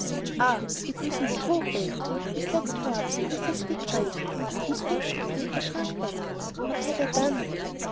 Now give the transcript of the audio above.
"Ah, it isn't true, eh?" He stepped towards me with his stick raised; instinctively I shrunk back. What had I done?